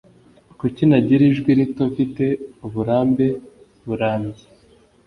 Kuki ntagira ijwi rito Mfite uburambe burambye